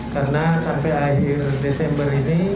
karena sampai akhir desember